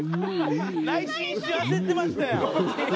「内心一瞬焦ってましたやん」